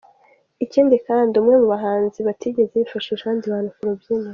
Ikindi ndi umwe mu bahanzi batigeze bifashisha abandi bantu ku rubyiniro”.